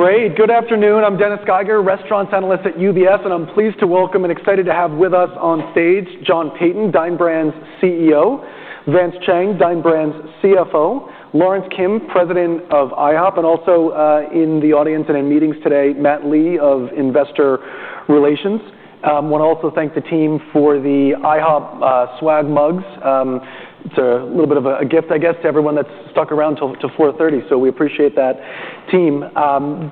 Great. Good afternoon. I'm Dennis Geiger, restaurants analyst at UBS, and I'm pleased to welcome and excited to have with us on stage John Peyton, Dine Brands CEO, Vance Chang, Dine Brands CFO, Lawrence Kim, President of IHOP, and also, in the audience and in meetings today, Matt Lee of Investor Relations. Wanna also thank the team for the IHOP swag mugs. It's a little bit of a gift, I guess, to everyone that stuck around till 4:30, so we appreciate that team.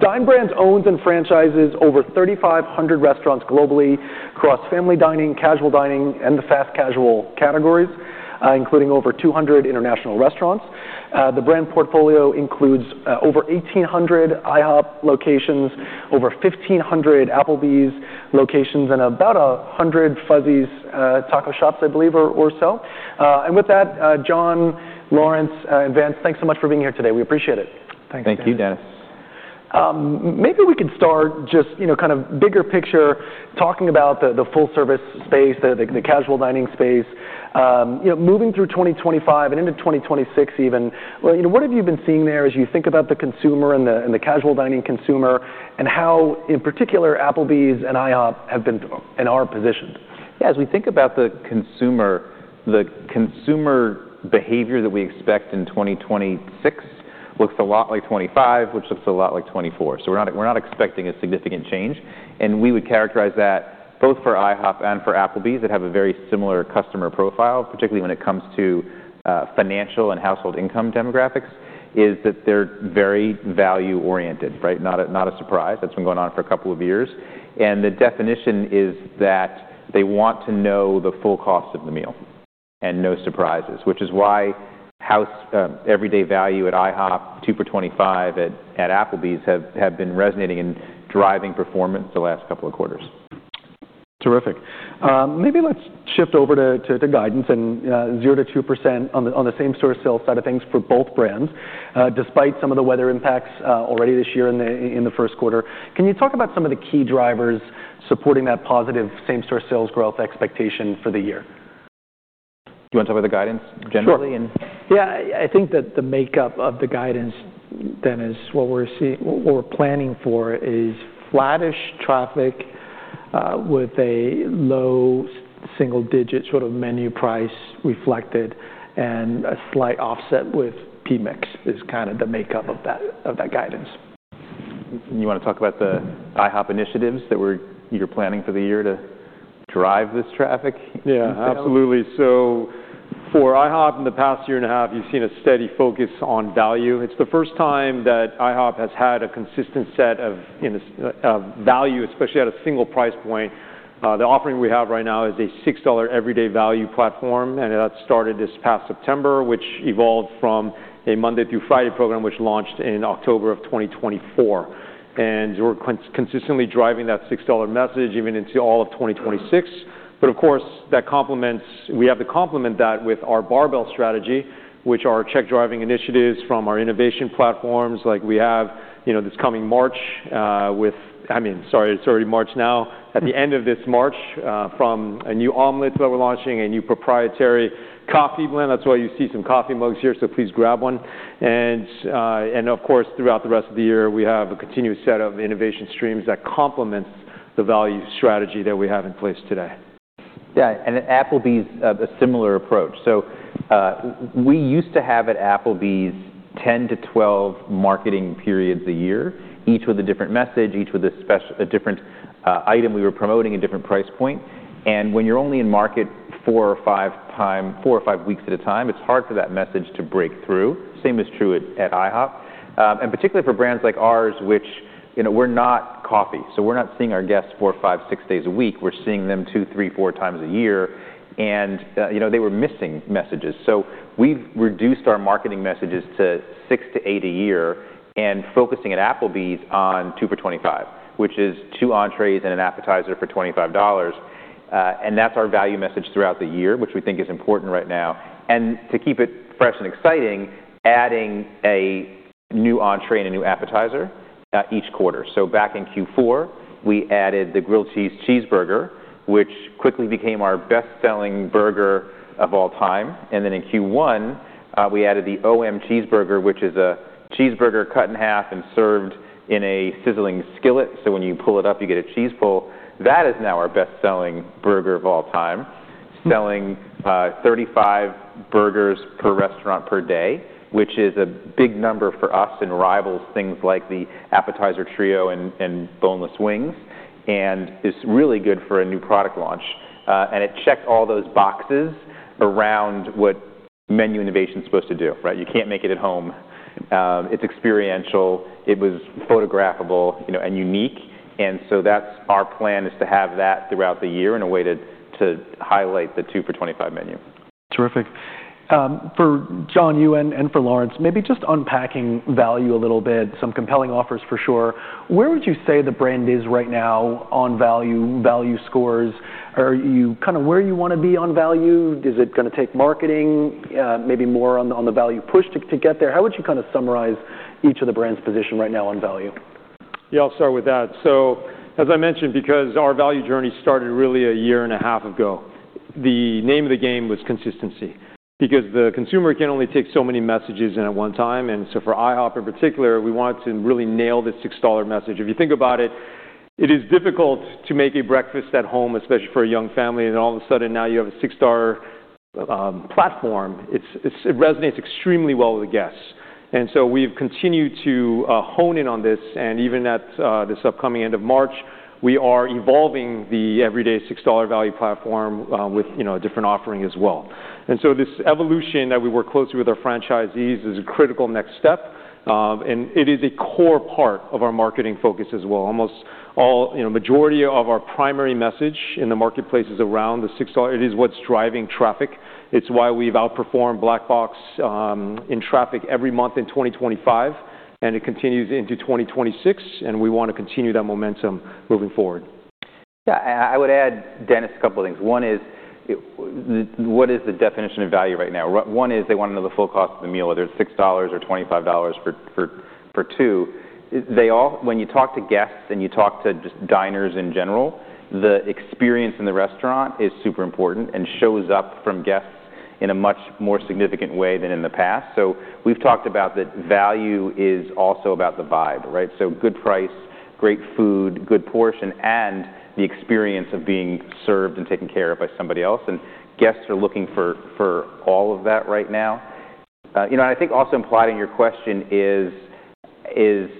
Dine Brands owns and franchises over 3,500 restaurants globally across family dining, casual dining, and the fast casual categories, including over 200 international restaurants. The brand portfolio includes over 1,800 IHOP locations, over 1,500 Applebee's locations, and about 100 Fuzzy's taco shops, I believe, or so. With that, John, Lawrence, and Vance, thanks so much for being here today. We appreciate it. Thank you, Dennis. Maybe we could start just, you know, kind of bigger picture talking about the full-service space, the casual dining space. You know, moving through 2025 and into 2026 even, what, you know, what have you been seeing there as you think about the consumer and the casual dining consumer, and how, in particular, Applebee's and IHOP have been and are positioned? Yeah. As we think about the consumer, the consumer behavior that we expect in 2026 looks a lot like 2025, which looks a lot like 2024. We're not expecting a significant change, and we would characterize that both for IHOP and for Applebee's that have a very similar customer profile, particularly when it comes to financial and household income demographics, is that they're very value-oriented, right? Not a surprise. That's been going on for a couple of years. The definition is that they want to know the full cost of the meal and no surprises, which is why our everyday value at IHOP, 2 for $25 at Applebee's have been resonating and driving performance the last couple of quarters. Terrific. Maybe let's shift over to guidance and 0%-2% on the same-store sales side of things for both brands. Despite some of the weather impacts already this year in the first quarter, can you talk about some of the key drivers supporting that positive same-store sales growth expectation for the year? Do you wanna talk about the guidance generally? Yeah. I think that the makeup of the guidance, Dennis, what we're planning for is flattish traffic, with a low single digit sort of menu price reflected and a slight offset with mix is kind of the makeup of that guidance. You wanna talk about the IHOP initiatives that you're planning for the year to drive this traffic? Yeah. Absolutely. For IHOP in the past year and a half, you've seen a steady focus on value. It's the first time that IHOP has had a consistent set of, you know, of value, especially at a single price point. The offering we have right now is a $6 everyday value platform, and that started this past September, which evolved from a Monday through Friday program, which launched in October 2024. We're consistently driving that $6 message even into all of 2026. Of course, that complements. We have to complement that with our barbell strategy, which are check-driving initiatives from our innovation platforms. Like, we have, you know, this coming March, with. I mean, it's already March now. At the end of this March, from a new omelet that we're launching, a new proprietary coffee blend. That's why you see some coffee mugs here, so please grab one. Of course, throughout the rest of the year, we have a continuous set of innovation streams that complements the value strategy that we have in place today. Yeah. At Applebee's, the similar approach. We used to have at Applebee's 10-12 marketing periods a year, each with a different message, each with a different item we were promoting, a different price point. When you're only in market four or five weeks at a time, it's hard for that message to break through. Same is true at IHOP. Particularly for brands like ours, which, you know, we're not coffee, so we're not seeing our guests four, five, six days a week. We're seeing them two, three, four times a year and, you know, they were missing messages. We've reduced our marketing messages to six to eight a year and focusing at Applebee's on two for $25, which is 2 entrees and an appetizer for $25. That's our value message throughout the year, which we think is important right now. To keep it fresh and exciting, adding a new entree and a new appetizer each quarter. Back in Q4, we added the Grilled Cheese Cheeseburger, which quickly became our best-selling burger of all time. Then in Q1, we added the OM Cheeseburger, which is a cheeseburger cut in half and served in a sizzling skillet, so when you pull it up, you get a cheese pull. That is now our best-selling burger of all time, selling 35 burgers per restaurant per day, which is a big number for us and rivals things like the Ultimate Trio and Boneless Wings, and is really good for a new product launch. It checked all those boxes around what menu innovation is supposed to do, right? You can't make it at home. It's experiential, it was photographable, you know, and unique. That's our plan, is to have that throughout the year in a way to highlight the two for $25 menu. Terrific. For John, you and for Lawrence, maybe just unpacking value a little bit, some compelling offers for sure. Where would you say the brand is right now on value scores? Are you kind of where you wanna be on value? Is it gonna take marketing, maybe more on the value push to get there? How would you kind of summarize each of the brand's position right now on value? Yeah, I'll start with that. As I mentioned, because our value journey started really a year and a half ago. The name of the game was consistency because the consumer can only take so many messages in at one time. For IHOP in particular, we wanted to really nail this $6 message. If you think about it is difficult to make a breakfast at home, especially for a young family, and all of a sudden now you have a $6 platform. It resonates extremely well with the guests. We've continued to hone in on this. Even at this upcoming end of March, we are evolving the everyday $6 value platform with a different offering as well. This evolution that we work closely with our franchisees is a critical next step, and it is a core part of our marketing focus as well. Almost all. You know, majority of our primary message in the marketplace is around the $6. It is what's driving traffic. It's why we've outperformed Black Box in traffic every month in 2025, and it continues into 2026, and we wanna continue that momentum moving forward. I would add, Dennis, a couple things. One is what is the definition of value right now? One is they wanna know the full cost of the meal, whether it's $6 or $25 for two. When you talk to guests and you talk to just diners in general, the experience in the restaurant is super important and shows up from guests in a much more significant way than in the past. We've talked about that value is also about the vibe, right? Good price, great food, good portion, and the experience of being served and taken care of by somebody else. Guests are looking for all of that right now. You know, I think also implied in your question is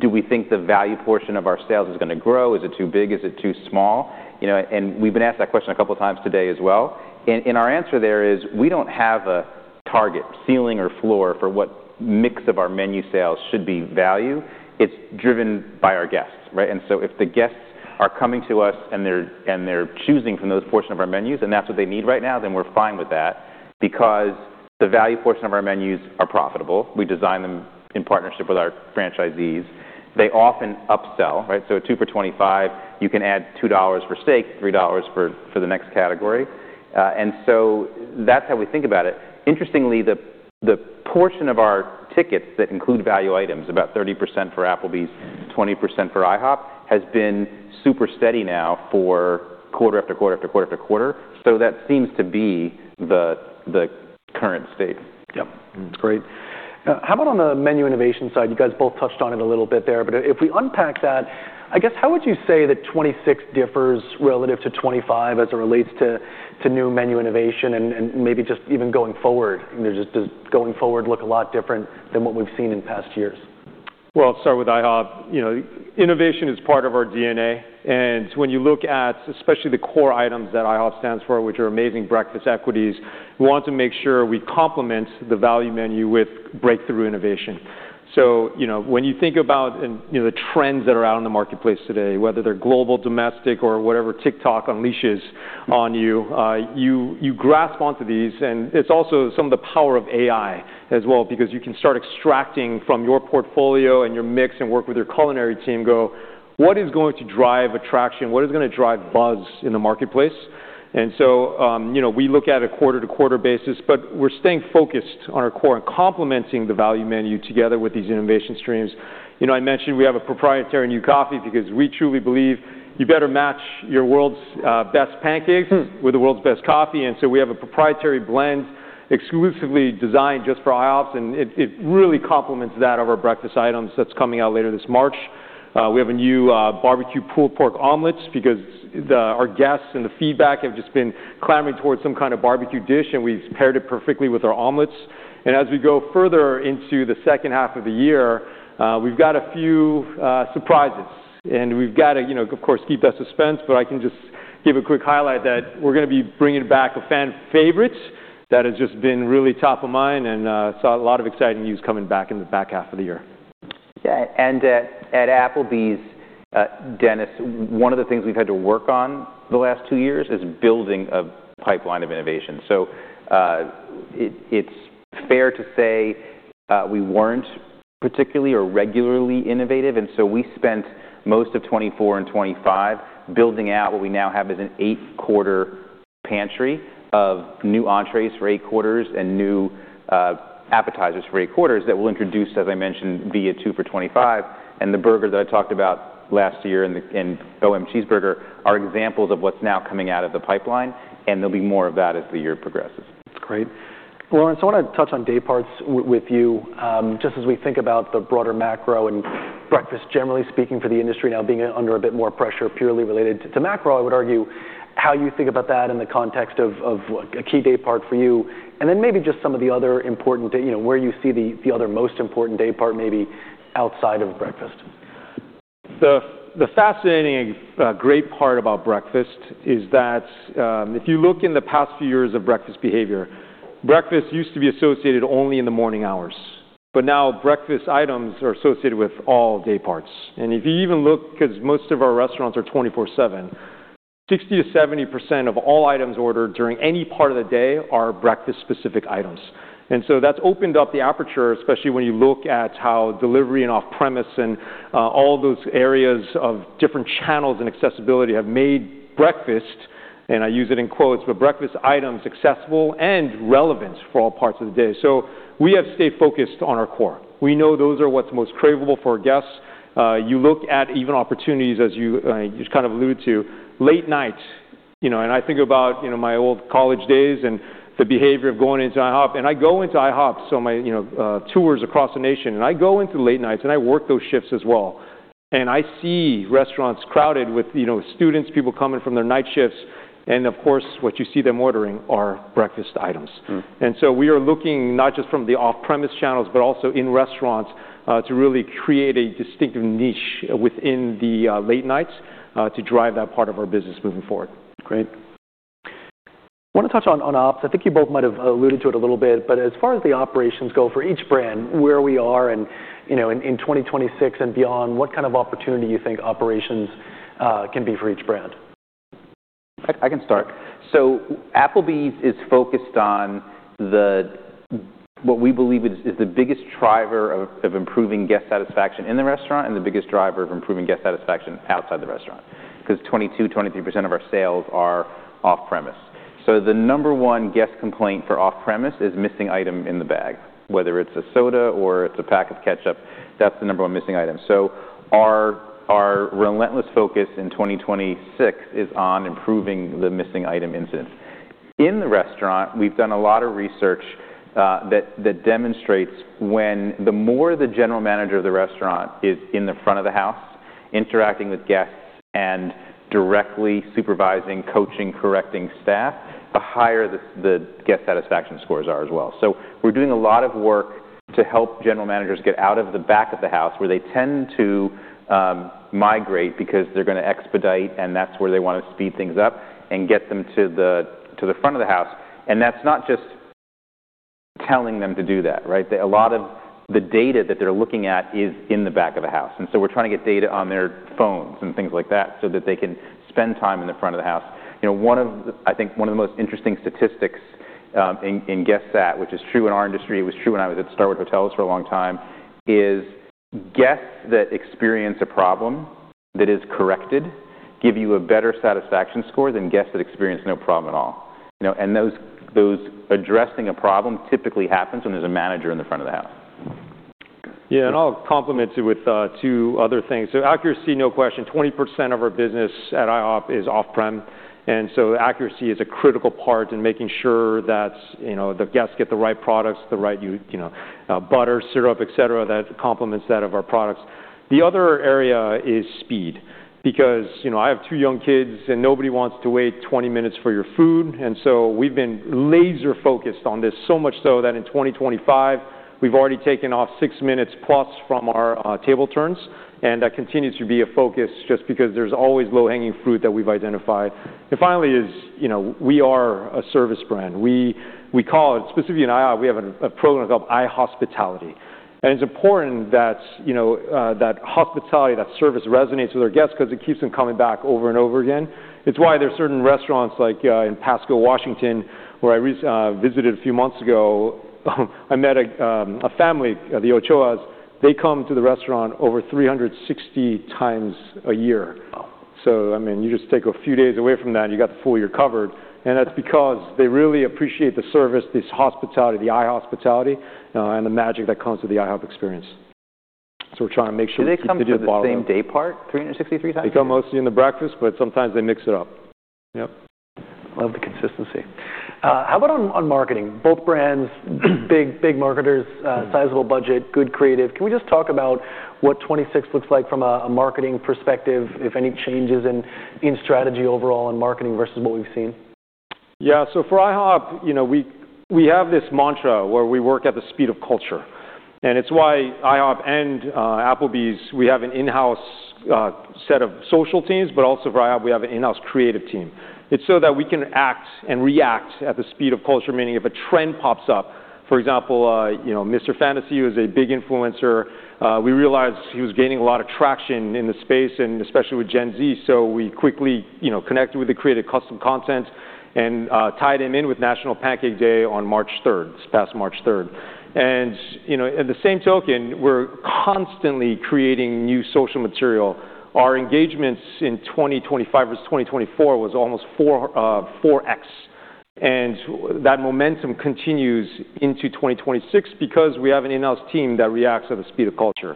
do we think the value portion of our sales is gonna grow? Is it too big? Is it too small? You know, we've been asked that question a couple times today as well. Our answer there is we don't have a target ceiling or floor for what mix of our menu sales should be value. It's driven by our guests, right? If the guests are coming to us and they're choosing from those portion of our menus, and that's what they need right now, then we're fine with that because the value portion of our menus are profitable. We design them in partnership with our franchisees. They often upsell, right? 2 for $25, you can add $2 for steak, $3 for the next category. That's how we think about it. Interestingly, the portion of our tickets that include value items, about 30% for Applebee's, 20% for IHOP, has been super steady now for quarter after quarter after quarter after quarter. That seems to be the current state. Yep. Great. How about on the menu innovation side? You guys both touched on it a little bit there. If we unpack that, I guess, how would you say that 2026 differs relative to 2025 as it relates to new menu innovation and maybe just even going forward? You know, just does going forward look a lot different than what we've seen in past years? Well, I'll start with IHOP. You know, innovation is part of our DNA. When you look at especially the core items that IHOP stands for, which are amazing breakfast equities, we want to make sure we complement the value menu with breakthrough innovation. You know, when you think about, you know, the trends that are out in the marketplace today, whether they're global, domestic or whatever TikTok unleashes on you grasp onto these. It's also some of the power of AI as well because you can start extracting from your portfolio and your mix and work with your culinary team, go, "What is going to drive attraction? What is gonna drive buzz in the marketplace?" You know, we look at a quarter-to-quarter basis, but we're staying focused on our core and complementing the value menu together with these innovation streams. You know, I mentioned we have a proprietary new coffee because we truly believe you better match your world's best pancakes with the world's best coffee. We have a proprietary blend exclusively designed just for IHOPs, and it really complements that of our breakfast items that's coming out later this March. We have a new barbecue pulled pork omelets because our guests and the feedback have just been clamoring towards some kind of barbecue dish, and we've paired it perfectly with our omelets. As we go further into the second half of the year, we've got a few surprises. We've gotta, you know, of course, keep that suspense, but I can just give a quick highlight that we're gonna be bringing back a fan favorite that has just been really top of mind and, so a lot of exciting news coming back in the back half of the year. Yeah. At Applebee's, Dennis, one of the things we've had to work on the last two years is building a pipeline of innovation. It's fair to say we weren't particularly or regularly innovative, and so we spent most of 2024 and 2025 building out what we now have as an eight quarter pantry of new entrees for eight quarters and new appetizers for eight quarters that we'll introduce, as I mentioned, via two for $25. The burger that I talked about last year and the Grilled Cheese Cheeseburger are examples of what's now coming out of the pipeline, and there'll be more of that as the year progresses. That's great. Lawrence, I wanna touch on day parts with you. Just as we think about the broader macro and breakfast, generally speaking, for the industry now being under a bit more pressure purely related to macro, I would argue how you think about that in the context of like a key day part for you, and then maybe just some of the other important you know, where you see the other most important day part maybe outside of breakfast. The fascinating great part about breakfast is that if you look in the past few years of breakfast behavior, breakfast used to be associated only in the morning hours. Now breakfast items are associated with all day parts. If you even look, because most of our restaurants are 24/7, 60%-70% of all items ordered during any part of the day are breakfast-specific items. That's opened up the aperture, especially when you look at how delivery and off-premise and all those areas of different channels and accessibility have made breakfast, and I use it in quotes, but breakfast items accessible and relevant for all parts of the day. We have stayed focused on our core. We know those are what's most craveable for our guests. You look at even opportunities, as you just kind of alluded to, late night. You know, I think about, you know, my old college days and the behavior of going into IHOP. I go into IHOP, so my, you know, tours across the nation, and I go into late nights, and I work those shifts as well. I see restaurants crowded with, you know, students, people coming from their night shifts, and of course, what you see them ordering are breakfast items. We are looking not just from the off-premise channels, but also in restaurants, to really create a distinctive niche within the late nights, to drive that part of our business moving forward. Great. Wanna touch on ops. I think you both might have alluded to it a little bit, but as far as the operations go for each brand, where we are and, you know, in 2026 and beyond, what kind of opportunity you think operations can be for each brand? I can start. Applebee's is focused on what we believe is the biggest driver of improving guest satisfaction in the restaurant and the biggest driver of improving guest satisfaction outside the restaurant, 'cause 22%-23% of our sales are off-premise. The number one guest complaint for off-premise is missing item in the bag, whether it's a soda or it's a pack of ketchup, that's the number one missing item. Our relentless focus in 2026 is on improving the missing item incident. In the restaurant, we've done a lot of research that demonstrates when the more the general manager of the restaurant is in the front of the house interacting with guests and directly supervising, coaching, correcting staff, the higher the guest satisfaction scores are as well. We're doing a lot of work to help general managers get out of the back of the house, where they tend to migrate because they're gonna expedite, and that's where they wanna speed things up, and get them to the front of the house. That's not just telling them to do that, right? A lot of the data that they're looking at is in the back of the house, and we're trying to get data on their phones and things like that so that they can spend time in the front of the house. You know, I think one of the most interesting statistics in guest sat, which is true in our industry, it was true when I was at Starwood Hotels for a long time, is guests that experience a problem that is corrected give you a better satisfaction score than guests that experience no problem at all. You know, those addressing a problem typically happens when there's a manager in the front of the house. Yeah, I'll complement it with two other things. Accuracy, no question, 20% of our business at IHOP is off-prem, and accuracy is a critical part in making sure that, you know, the guests get the right products, the right, you know, butter, syrup, et cetera, that complements that of our products. The other area is speed because, you know, I have two young kids, and nobody wants to wait 20 minutes for your food. We've been laser-focused on this, so much so that in 2025, we've already taken off 6 minutes plus from our table turns, and that continues to be a focus just because there's always low-hanging fruit that we've identified. Finally is, you know, we are a service brand. We call it, specifically in IHOP, we have a program called IHOPitality, and it's important that, you know, that hospitality, that service resonates with our guests 'cause it keeps them coming back over and over again. It's why there's certain restaurants like, in Pasco, Washington, where I visited a few months ago, I met a family, the Ochoas. They come to the restaurant over 360 times a year. Wow. I mean, you just take a few days away from that, and you got the full year covered, and that's because they really appreciate the service, this hospitality, the IHOPitality, and the magic that comes with the IHOP experience. We're trying to make sure we keep hitting the bottom- Do they come to the same daypart 363 times a year? They come mostly in the breakfast, but sometimes they mix it up. Yep. Love the consistency. How about on marketing? Both brands, big marketers, sizable budget, good creative. Can we just talk about what 2026 looks like from a marketing perspective, if any changes in strategy overall in marketing versus what we've seen? Yeah. For IHOP, you know, we have this mantra where we work at the speed of culture, and it's why IHOP and Applebee's, we have an in-house set of social teams, but also for IHOP, we have an in-house creative team. It's so that we can act and react at the speed of culture, meaning if a trend pops up, for example, you know, Mr. Fantasy, who is a big influencer, we realized he was gaining a lot of traction in the space and especially with Gen Z, so we quickly, you know, connected with the creative custom content and tied him in with National Pancake Day on March third, this past March third. You know, at the same time, we're constantly creating new social material. Our engagements in 2025 versus 2024 was almost 4x. That momentum continues into 2026 because we have an in-house team that reacts at the speed of culture.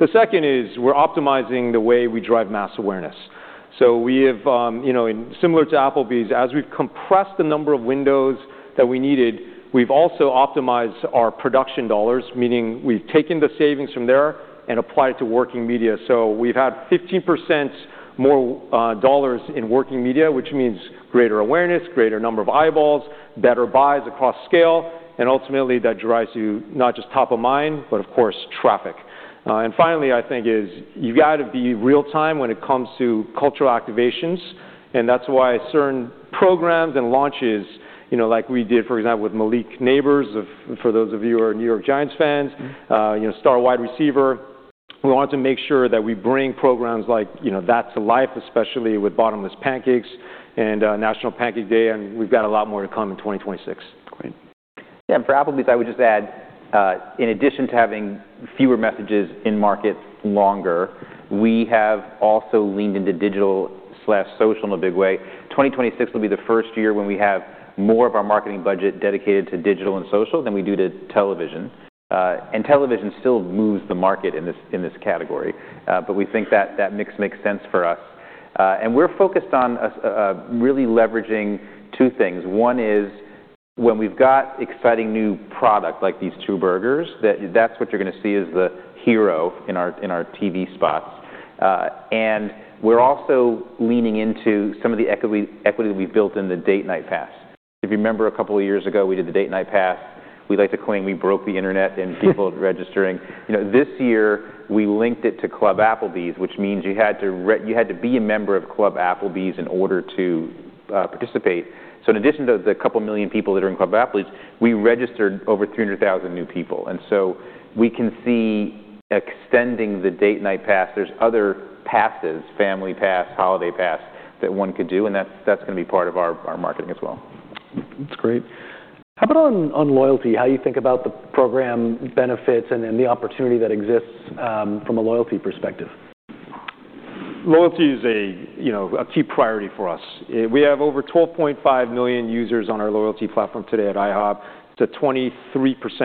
The second is we're optimizing the way we drive mass awareness. We have, you know, in similar to Applebee's, as we've compressed the number of windows that we needed, we've also optimized our production dollars, meaning we've taken the savings from there and applied it to working media. We've had 15% more dollars in working media, which means greater awareness, greater number of eyeballs, better buys across scale, and ultimately, that drives you not just top of mind, but of course, traffic. Finally, I think is you gotta be real-time when it comes to cultural activations, and that's why certain programs and launches, you know, like we did, for example, with Malik Nabers of, For those of you who are New York Giants fans. You know, star wide receiver, we wanted to make sure that we bring programs like, you know, that to life, especially with Bottomless Pancakes and National Pancake Day, and we've got a lot more to come in 2026. Great. Yeah. For Applebee's, I would just add, in addition to having fewer messages in market longer, we have also leaned into digital/social in a big way. 2026 will be the first year when we have more of our marketing budget dedicated to digital and social than we do to television. Television still moves the market in this category. But we think that mix makes sense for us. We're focused on really leveraging two things. One is when we've got exciting new product like these two burgers, that's what you're gonna see as the hero in our TV spots. We're also leaning into some of the equity we've built in the Date Night Pass. If you remember, a couple of years ago, we did the Date Night Pass. We'd like to claim we broke the internet and people registering. You know, this year we linked it to Club Applebee's, which means you had to be a member of Club Applebee's in order to participate. In addition to the couple million people that are in Club Applebee's, we registered over 300,000 new people. We can see extending the Date Night Pass. There's other passes, family pass, holiday pass, that one could do, and that's gonna be part of our marketing as well. That's great. How about on loyalty, how you think about the program benefits and then the opportunity that exists, from a loyalty perspective? Loyalty is a, you know, a key priority for us. We have over 12.5 million users on our loyalty platform today at IHOP. It's a 23%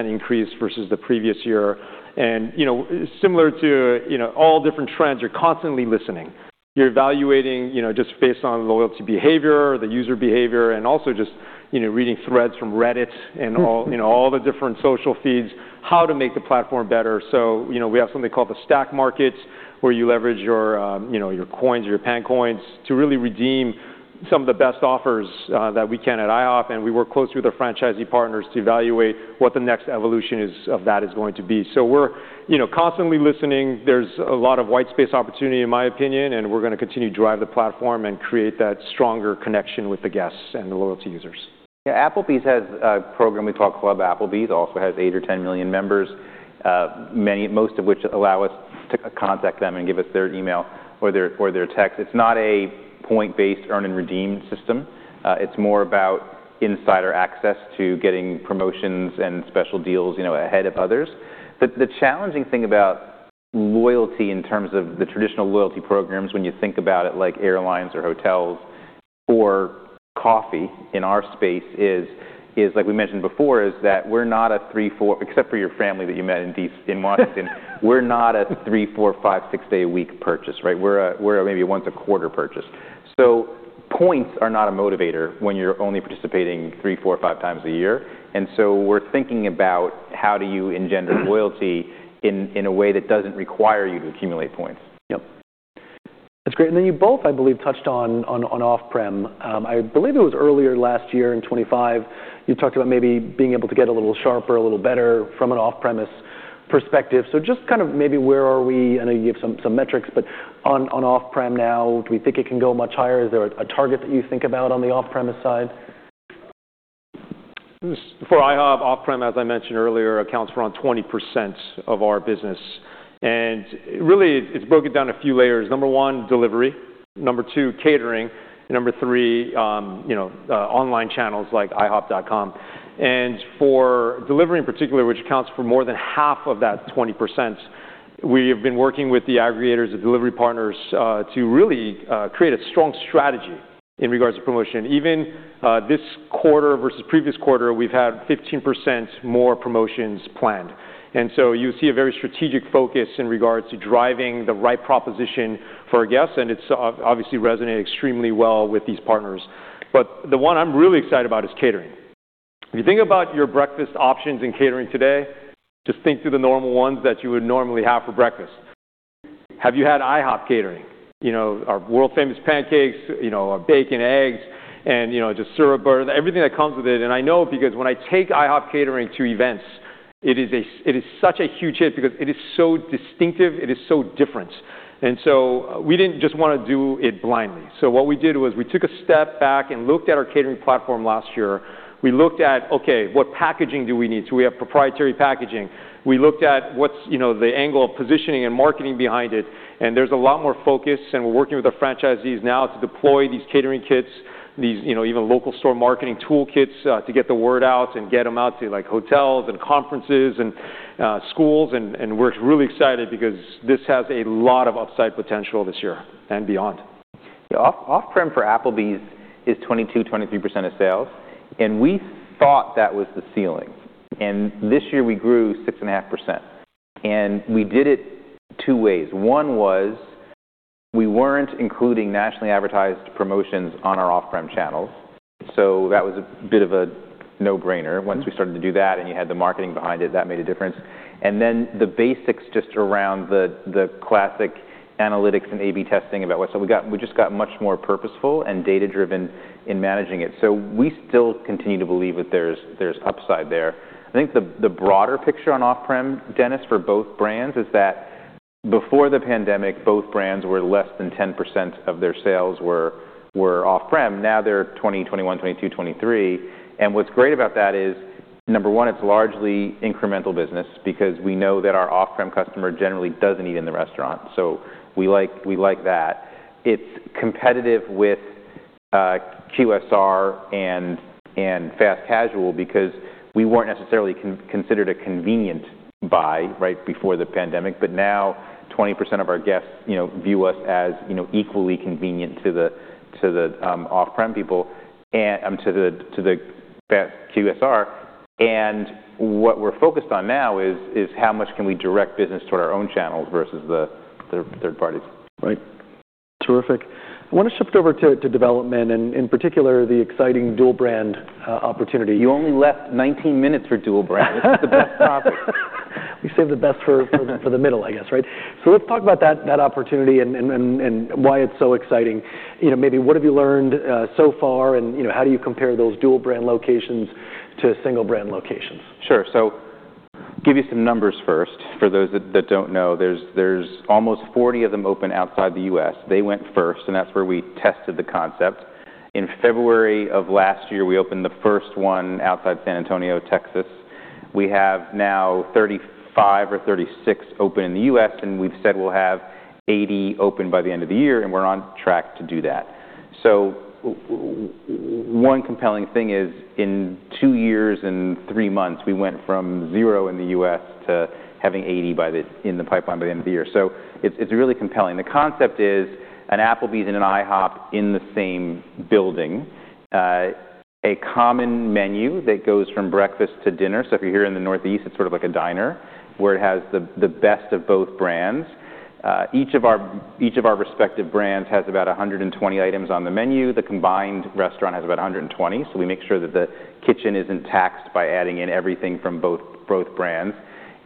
increase versus the previous year. You know, similar to, you know, all different trends, you're constantly listening. You're evaluating, you know, just based on loyalty behavior, the user behavior, and also just, you know, reading threads from Reddit and all the different social feeds, how to make the platform better. You know, we have something called The Stack Markets, where you leverage your, you know, your coins or your PanCoins to really redeem some of the best offers, that we can at IHOP. We work closely with our franchisee partners to evaluate what the next evolution of that is going to be. We're, you know, constantly listening. There's a lot of white space opportunity, in my opinion, and we're gonna continue to drive the platform and create that stronger connection with the guests and the loyalty users. Yeah, Applebee's has a program we call Club Applebee's. It also has eight or 10 million members, most of which allow us to contact them and give us their email or their text. It's not a point-based earn and redeem system. It's more about insider access to getting promotions and special deals, you know, ahead of others. The challenging thing about loyalty in terms of the traditional loyalty programs, when you think about it like airlines or hotels or coffee in our space is, like we mentioned before, that we're not a three, four, five, six day a week purchase, right? We're maybe a once a quarter purchase. Points are not a motivator when you're only participating three, four, five times a year. We're thinking about how do you engender loyalty in a way that doesn't require you to accumulate points? Yep. That's great. Then you both, I believe, touched on off-prem. I believe it was earlier last year in 2025, you talked about maybe being able to get a little sharper, a little better from an off-premise perspective. Just kind of maybe where are we? I know you have some metrics, but on off-prem now, do we think it can go much higher? Is there a target that you think about on the off-premise side? For IHOP off-prem, as I mentioned earlier, accounts for around 20% of our business. Really, it's broken down a few layers. Number one, delivery. Number two, catering. Number three, you know, online channels like IHOP.com. For delivery in particular, which accounts for more than half of that 20%, we have been working with the aggregators, the delivery partners, to really create a strong strategy in regards to promotion. Even this quarter versus previous quarter, we've had 15% more promotions planned. You see a very strategic focus in regards to driving the right proposition for our guests, and it's obviously resonated extremely well with these partners. The one I'm really excited about is catering. If you think about your breakfast options in catering today, just think through the normal ones that you would normally have for breakfast. Have you had IHOP catering? You know, our world-famous pancakes, you know, our bacon, eggs, and, you know, just syrup, everything that comes with it. I know because when I take IHOP catering to events, it is such a huge hit because it is so distinctive. It is so different. We didn't just wanna do it blindly. What we did was we took a step back and looked at our catering platform last year. We looked at, okay, what packaging do we need? Do we have proprietary packaging? We looked at what's, you know, the angle of positioning and marketing behind it. There's a lot more focus, and we're working with the franchisees now to deploy these catering kits, these, you know, even local store marketing toolkits, to get the word out and get them out to, like, hotels and conferences and, schools. We're really excited because this has a lot of upside potential this year and beyond. Off-prem for Applebee's is 22%-23% of sales. We thought that was the ceiling. This year we grew 6.5%. We did it two ways. One was we weren't including nationally advertised promotions on our off-prem channels. That was a bit of a no-brainer. Once we started to do that and you had the marketing behind it, that made a difference. Then the basics just around the classic analytics and A/B testing. We just got much more purposeful and data-driven in managing it. We still continue to believe that there's upside there. I think the broader picture on off-prem, Dennis, for both brands is that before the pandemic, both brands were less than 10% of their sales were off-prem. Now they're 2020, 2021, 2022, 2023. What's great about that is, number one, it's largely incremental business because we know that our off-prem customer generally doesn't eat in the restaurant. We like that. It's competitive with QSR and fast casual because we weren't necessarily considered a convenient buy right before the pandemic. Now 20% of our guests, you know, view us as, you know, equally convenient to the off-prem people and to the fast QSR. What we're focused on now is how much can we direct business to our own channels versus the third parties. Right. Terrific. I want to shift over to development and in particular the exciting dual brand opportunity. You only left 19 minutes for dual brand. It's the best topic. We saved the best for the middle, I guess, right? Let's talk about that opportunity and why it's so exciting. You know, maybe what have you learned so far and, you know, how do you compare those dual brand locations to single brand locations? Sure. Give you some numbers first. For those that don't know, there's almost 40 of them open outside the US. They went first, and that's where we tested the concept. In February of last year, we opened the first one outside San Antonio, Texas. We have now 35 or 36 open in the US, and we've said we'll have 80 open by the end of the year, and we're on track to do that. One compelling thing is in two years and three months, we went from 0 in the US to having 80 in the pipeline by the end of the year. It's really compelling. The concept is an Applebee's and an IHOP in the same building. A common menu that goes from breakfast to dinner. If you're here in the northeast, it's sort of like a diner, where it has the best of both brands. Each of our respective brands has about 100 items on the menu. The combined restaurant has about 100, so we make sure that the kitchen isn't taxed by adding in everything from both brands.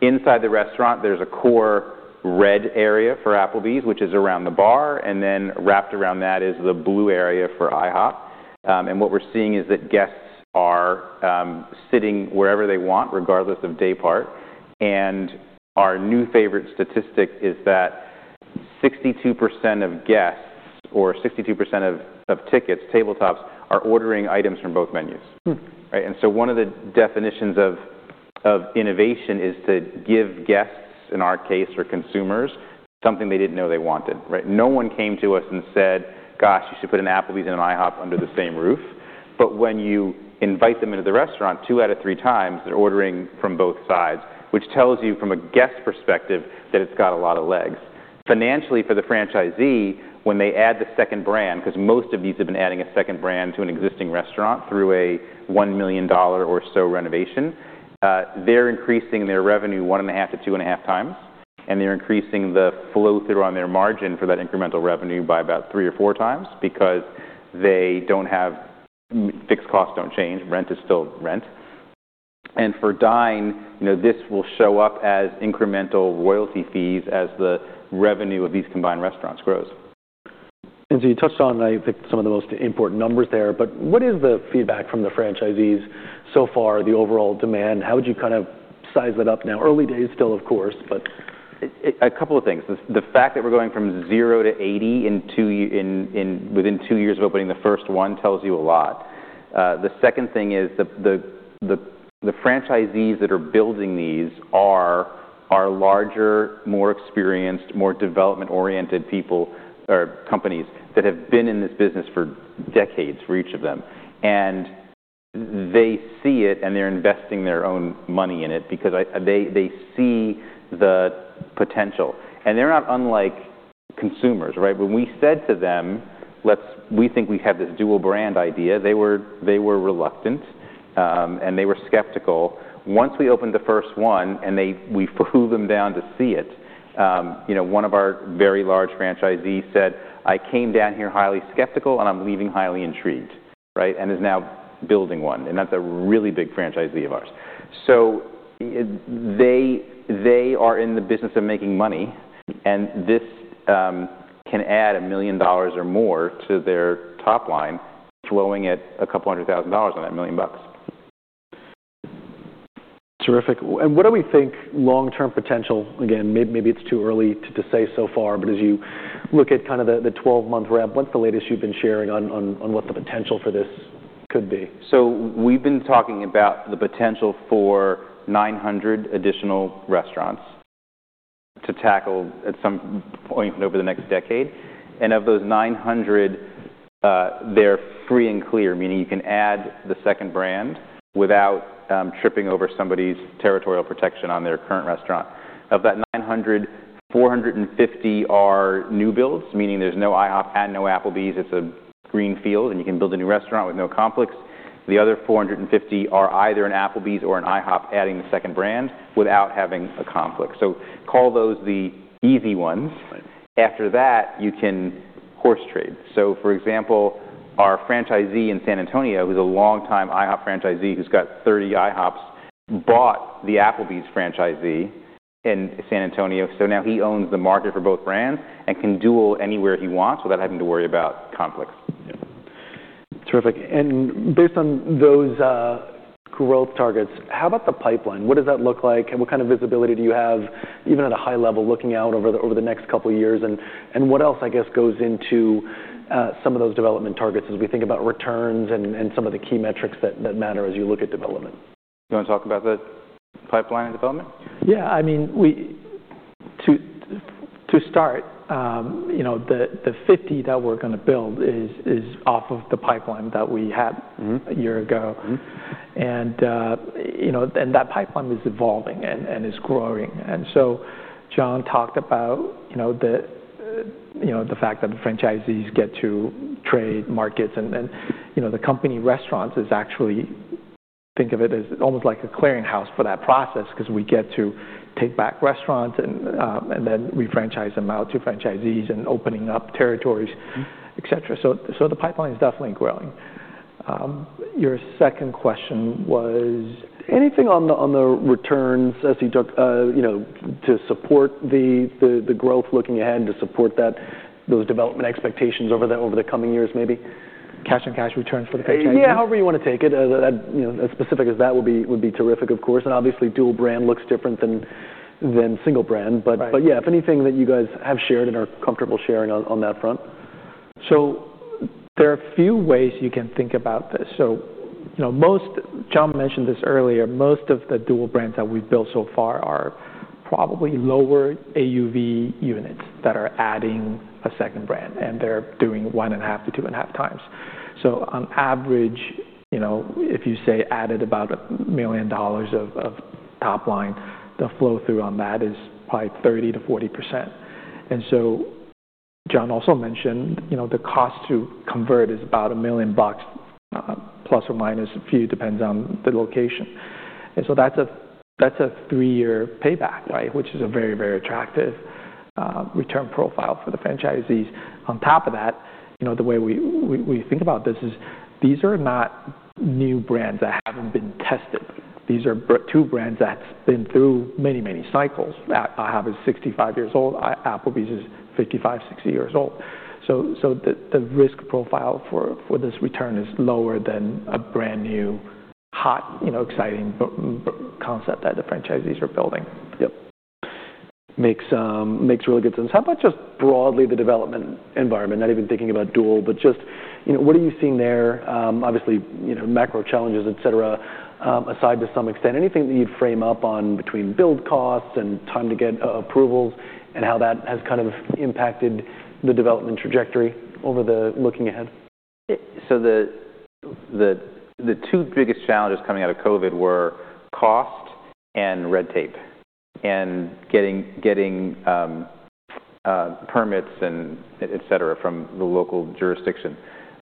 Inside the restaurant, there's a core red area for Applebee's, which is around the bar, and then wrapped around that is the blue area for IHOP. What we're seeing is that guests are sitting wherever they want, regardless of daypart. Our new favorite statistic is that 62% of guests or 62% of tickets, tabletops, are ordering items from both menus. Right. One of the definitions of innovation is to give guests, in our case, or consumers, something they didn't know they wanted, right? No one came to us and said, "Gosh, you should put an Applebee's and an IHOP under the same roof." When you invite them into the restaurant, two out of three times, they're ordering from both sides, which tells you from a guest perspective that it's got a lot of legs. Financially for the franchisee, when they add the second brand, 'cause most of these have been adding a second brand to an existing restaurant through a $1 million or so renovation, they're increasing their revenue 1.5-2.5 times, and they're increasing the flow-through on their margin for that incremental revenue by about three or four times because fixed costs don't change. Rent is still rent. For Dine, you know, this will show up as incremental royalty fees as the revenue of these combined restaurants grows. You touched on, I think, some of the most important numbers there, but what is the feedback from the franchisees so far, the overall demand? How would you kind of size that up now? Early days still, of course, but. A couple of things. The fact that we're going from zero to 80 within two years of opening the first one tells you a lot. The second thing is the franchisees that are building these are larger, more experienced, more development-oriented people or companies that have been in this business for decades for each of them. They see it, and they're investing their own money in it because they see the potential. They're not unlike consumers, right? When we said to them, "We think we have this dual brand idea," they were reluctant, and they were skeptical. Once we opened the first one, we flew them down to see it, you know, one of our very large franchisees said, "I came down here highly skeptical, and I'm leaving highly intrigued," right, and is now building one, and that's a really big franchisee of ours. They are in the business of making money, and this can add $1 million or more to their top line, throwing it $200,000 on that $1 million bucks. Terrific. What do we think long-term potential? Again, maybe it's too early to say so far, but as you look at kind of the twelve-month rev, what's the latest you've been sharing on what the potential for this could be? We've been talking about the potential for 900 additional restaurants to tackle at some point over the next decade. Of those 900, they're free and clear, meaning you can add the second brand without tripping over somebody's territorial protection on their current restaurant. Of that 900, 450 are new builds, meaning there's no IHOP and no Applebee's. It's a green field, and you can build a new restaurant with no conflicts. The other 450 are either an Applebee's or an IHOP adding the second brand without having a conflict. Call those the easy ones. Right. After that, you can horse trade. For example, our franchisee in San Antonio, who's a longtime IHOP franchisee who's got 30 IHOPs, bought the Applebee's franchisee in San Antonio. Now he owns the market for both brands and can dual anywhere he wants without having to worry about conflicts. Yeah. Terrific. Based on those growth targets, how about the pipeline? What does that look like? What kind of visibility do you have, even at a high level, looking out over the next couple of years? What else, I guess, goes into some of those development targets as we think about returns and some of the key metrics that matter as you look at development? You wanna talk about the pipeline and development? Yeah, I mean, to start, you know, the 50 that we're gonna build is off of the pipeline that we had. A year ago. You know, and that pipeline is evolving and is growing. John talked about, you know, the fact that the franchisees get to trade markets and then, you know, the company restaurants is actually. Think of it as almost like a clearing house for that process, because we get to take back restaurants and then re-franchise them out to franchisees and opening up territories ecetera. The pipeline is definitely growing. Your second question was... Anything on the returns as you took, you know, to support the growth looking ahead, to support those development expectations over the coming years maybe? Cash and cash returns for the franchisees? Yeah, however you wanna take it. That, you know, as specific as that would be, would be terrific of course. Obviously dual brand looks different than single brand. Right Yeah. If anything that you guys have shared and are comfortable sharing on that front. There are a few ways you can think about this. You know, most John mentioned this earlier, most of the dual brands that we've built so far are probably lower AUV units that are adding a second brand, and they're doing 1.5-2.5 times. On average, you know, if you say added about $1 million of top line, the flow through on that is probably 30%-40%. John also mentioned, you know, the cost to convert is about $1 million, plus or minus a few, depends on the location. That's a three-year payback, right? Which is a very, very attractive return profile for the franchisees. On top of that, you know, the way we think about this is these are not new brands that haven't been tested. These are two brands that's been through many, many cycles. IHOP is 65 years old. Applebee's is 55, 60 years old. The risk profile for this return is lower than a brand-new, hot, you know, exciting concept that the franchisees are building. Yep. Makes really good sense. How about just broadly the development environment, not even thinking about dual, but just what are you seeing there? Obviously, macro challenges, et cetera, aside to some extent. Anything that you'd frame up on between build costs and time to get approvals and how that has kind of impacted the development trajectory over the looking ahead? The two biggest challenges coming out of COVID were cost and red tape, and getting permits and et cetera from the local jurisdiction.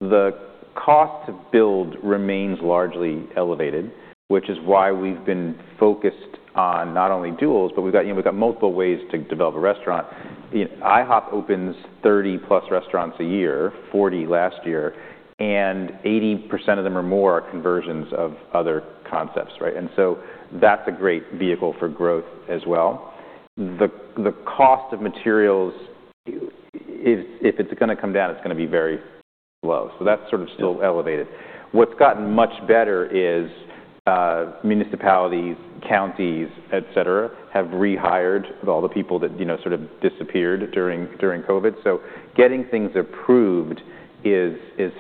The cost to build remains largely elevated, which is why we've been focused on not only duals, but we've got, you know, we've got multiple ways to develop a restaurant. IHOP opens 30-plus restaurants a year, 40 last year, and 80% of them or more are conversions of other concepts, right? That's a great vehicle for growth as well. The cost of materials is if it's gonna come down, it's gonna be very low. So that's sort of still elevated. What's gotten much better is municipalities, counties, et cetera, have rehired all the people that, you know, sort of disappeared during COVID. Getting things approved is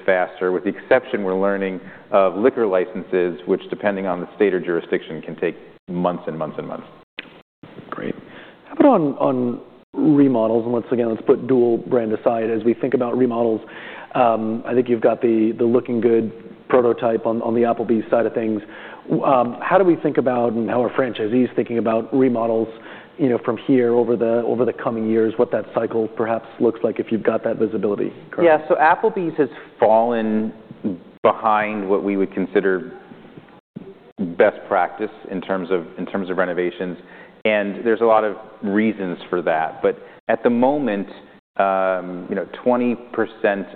faster, with the exception we're learning of liquor licenses, which depending on the state or jurisdiction, can take months and months and months. Great. How about on remodels? Once again, let's put dual brand aside as we think about remodels. I think you've got the Lookin' Good prototype on the Applebee's side of things. How do we think about and how are franchisees thinking about remodels, you know, from here over the coming years? What that cycle perhaps looks like, if you've got that visibility currently. Yeah. Applebee's has fallen behind what we would consider best practice in terms of renovations, and there's a lot of reasons for that. But at the moment, you know, 20%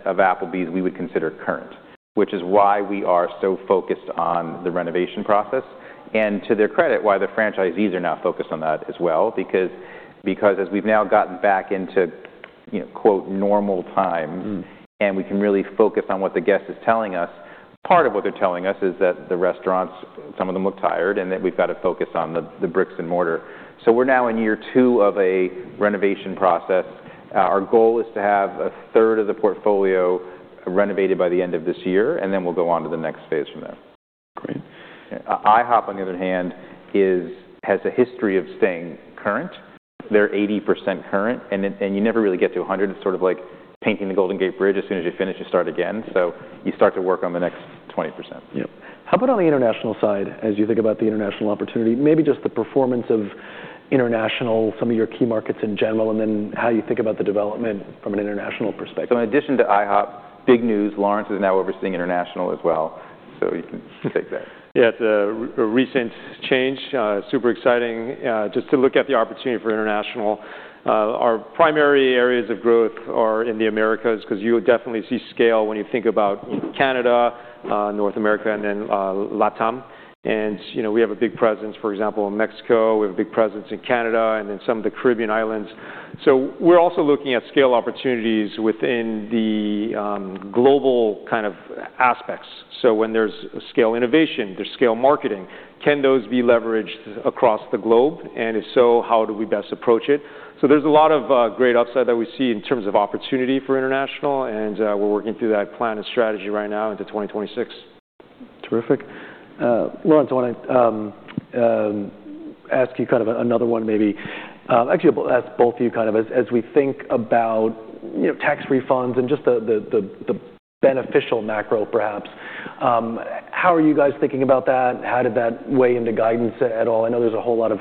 of Applebee's we would consider current, which is why we are so focused on the renovation process, and to their credit, why the franchisees are now focused on that as well. Because as we've now gotten back into, you know, quote, "normal time". We can really focus on what the guest is telling us. Part of what they're telling us is that the restaurants, some of them look tired, and that we've gotta focus on the bricks and mortar. We're now in year two of a renovation process. Our goal is to have a third of the portfolio renovated by the end of this year, and then we'll go on to the next phase from there. Great. IHOP, on the other hand, is has a history of staying current. They're 80% current, and you never really get to 100. It's sort of like painting the Golden Gate Bridge. As soon as you finish, you start again. You start to work on the next 20%. Yep. How about on the international side as you think about the international opportunity? Maybe just the performance of international, some of your key markets in general, and then how you think about the development from an international perspective. In addition to IHOP, big news, Lawrence is now overseeing international as well. You can take that. Yeah. It's a recent change. Super exciting, just to look at the opportunity for international. Our primary areas of growth are in the Americas, 'cause you would definitely see scale when you think about Canada, North America, and then, LATAM. You know, we have a big presence, for example, in Mexico. We have a big presence in Canada, and then some of the Caribbean islands. We're also looking at scale opportunities within the global kind of aspects. When there's scale innovation, there's scale marketing. Can those be leveraged across the globe? If so, how do we best approach it? There's a lot of great upside that we see in terms of opportunity for international, and we're working through that plan and strategy right now into 2026. Terrific. Lawrence, I wanna ask you kind of another one maybe. Actually I'll ask both of you kind of as we think about, you know, tax refunds and just the beneficial macro perhaps, how are you guys thinking about that? How did that weigh into guidance at all? I know there's a whole lot of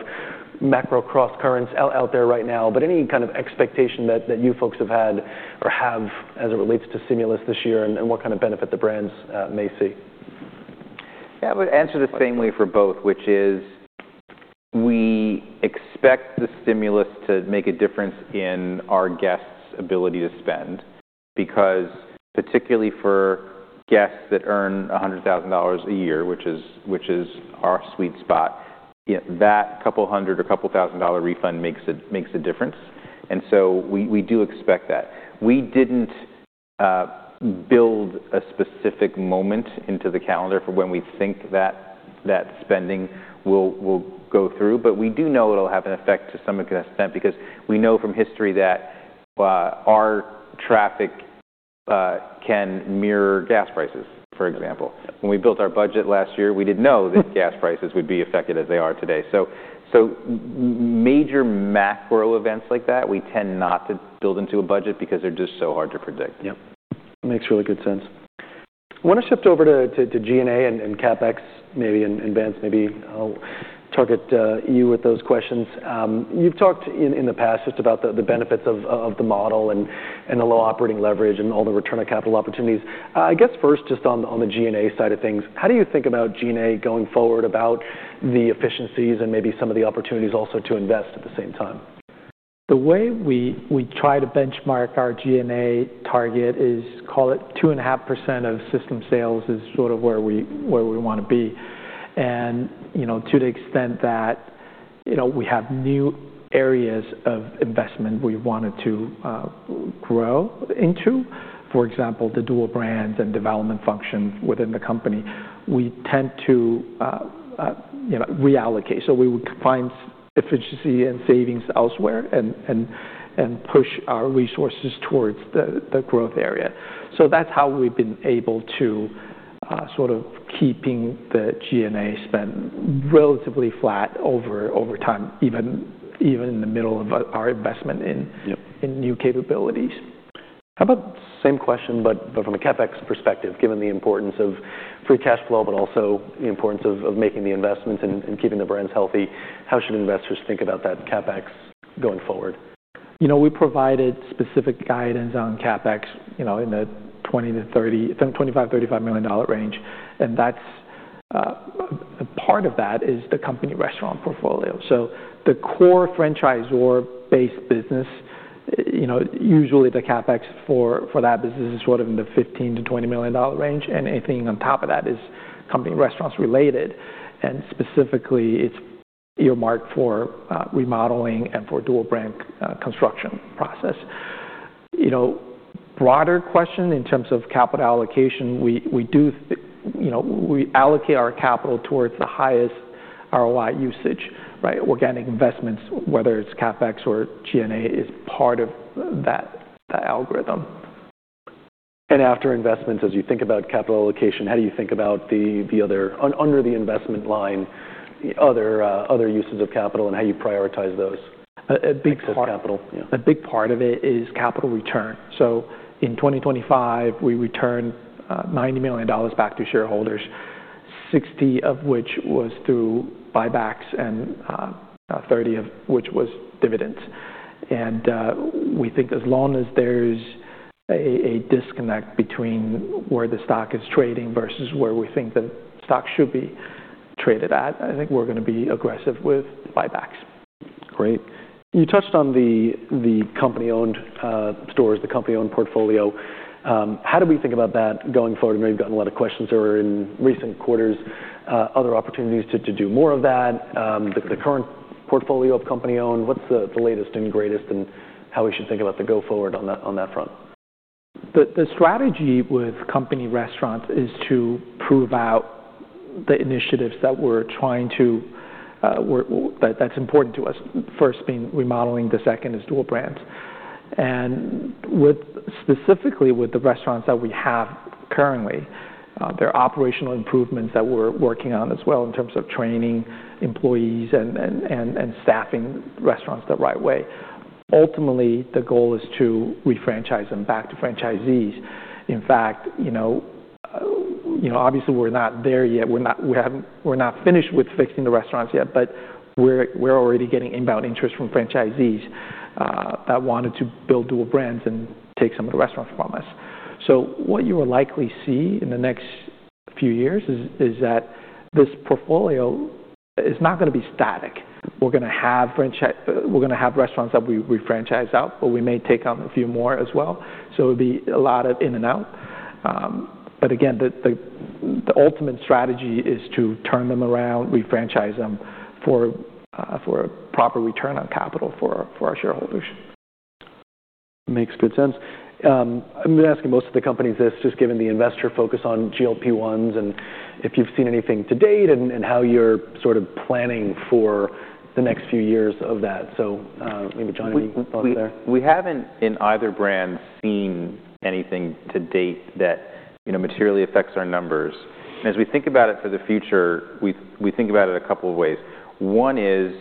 macro cross currents out there right now, but any kind of expectation that you folks have had or have as it relates to stimulus this year and what kind of benefit the brands may see? Yeah. I would answer the same way for both, which is we expect the stimulus to make a difference in our guests' ability to spend, because particularly for guests that earn $100,000 a year, which is our sweet spot, that couple hundred or couple thousand dollar refund makes a difference. We do expect that. We didn't build a specific moment into the calendar for when we think that spending will go through, but we do know it'll have an effect to some extent because we know from history that our traffic can mirror gas prices, for example. When we built our budget last year, we didn't know that gas prices would be affected as they are today. Major macro events like that, we tend not to build into a budget because they're just so hard to predict. Yep. Makes really good sense. Wanna shift over to G&A and CapEx, maybe. Vance, maybe I'll target you with those questions. You've talked in the past just about the benefits of the model and the low operating leverage and all the return on capital opportunities. I guess first, just on the G&A side of things, how do you think about G&A going forward about the efficiencies and maybe some of the opportunities also to invest at the same time? The way we try to benchmark our G&A target is call it 2.5% of system sales is sort of where we wanna be. You know, to the extent that you know we have new areas of investment we wanted to grow into, for example, the dual brands and development function within the company, we tend to you know reallocate. We would find efficiency and savings elsewhere and push our resources towards the growth area. That's how we've been able to sort of keeping the G&A spend relatively flat over time, even in the middle of our investment in- Yep in new capabilities. How about same question, but from a CapEx perspective, given the importance of free cash flow, but also the importance of making the investments and keeping the brands healthy, how should investors think about that CapEx going forward? You know, we provided specific guidance on CapEx, you know, in the $25 million-$35 million range, and that's part of that is the company restaurant portfolio. The core franchisor-based business, you know, usually the CapEx for that business is sort of in the $15-$20 million range, and anything on top of that is company restaurants related. Specifically, it's earmarked for remodeling and for dual brand construction process. You know, broader question in terms of capital allocation, we do you know, we allocate our capital towards the highest ROI usage, right? Organic investments, whether it's CapEx or G&A, is part of that algorithm. After investments, as you think about capital allocation, how do you think about the other under the investment line, other uses of capital and how you prioritize those? A big part. Excess capital? Yeah. A big part of it is capital return. In 2025, we returned $90 million back to shareholders, 60 of which was through buybacks and 30 of which was dividends. We think as long as there's a disconnect between where the stock is trading versus where we think the stock should be traded at, I think we're gonna be aggressive with buybacks. Great. You touched on the company-owned stores, the company-owned portfolio. How do we think about that going forward? I know you've gotten a lot of questions or in recent quarters, other opportunities to do more of that. The current portfolio of company-owned, what's the latest and greatest and how we should think about the go forward on that front? The strategy with company restaurants is to prove out the initiatives that that's important to us. First being remodeling, the second is dual brands. Specifically with the restaurants that we have currently, there are operational improvements that we're working on as well in terms of training employees and staffing restaurants the right way. Ultimately, the goal is to refranchise them back to franchisees. In fact, you know, obviously we're not there yet. We're not finished with fixing the restaurants yet, but we're already getting inbound interest from franchisees that wanted to build dual brands and take some of the restaurants from us. What you will likely see in the next few years is that this portfolio is not gonna be static. We're gonna have restaurants that we refranchise out, but we may take on a few more as well. It'll be a lot of in and out. Again, the ultimate strategy is to turn them around, refranchise them for a proper return on capital for our shareholders. Makes good sense. I'm gonna ask most of the companies this, just given the investor focus on GLP-1s and if you've seen anything to date and how you're sort of planning for the next few years of that. Maybe John, any thoughts there? We haven't, in either brand, seen anything to date that, you know, materially affects our numbers. As we think about it for the future, we think about it a couple of ways. One is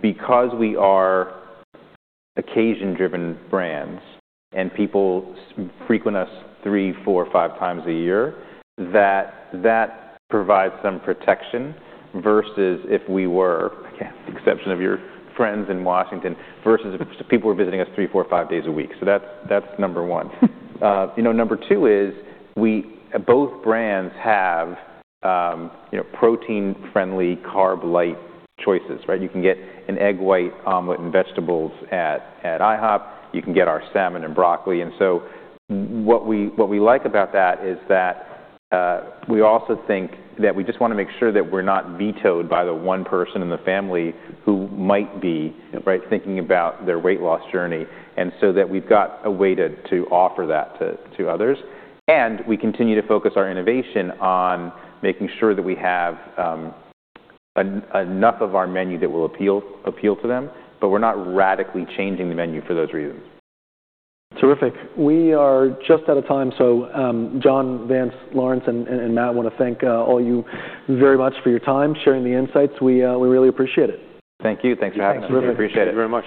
because we are occasion-driven brands and people frequent us three, four, five times a year, that provides some protection versus if we were, again, exception of your friends in Washington, versus if people were visiting us three, four, five days a week. That's number one. You know, number two is both brands have, you know, protein-friendly, carb-light choices, right? You can get an egg white omelet and vegetables at IHOP. You can get our salmon and broccoli. What we like about that is that we also think that we just wanna make sure that we're not vetoed by the one person in the family who might be, right, thinking about their weight loss journey. That we've got a way to offer that to others. We continue to focus our innovation on making sure that we have enough of our menu that will appeal to them, but we're not radically changing the menu for those reasons. Terrific. We are just out of time. John, Vance, Lawrence, and I wanna thank all you very much for your time sharing the insights. We really appreciate it. Thank you. Thanks for having us. Thanks. Appreciate it. Thank you very much.